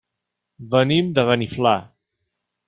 Venim de Beniflà.